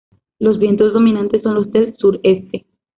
Los vientos dominantes son los del sur este.